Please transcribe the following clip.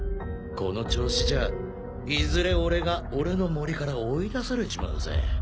この調子じゃいずれ俺が俺の森から追い出されちまうぜ。